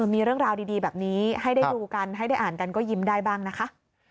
มีเรื่องราวดีแบบนี้ให้ได้ดูกันให้ได้อ่านกันก็ยิ้มได้บ้างนะคะ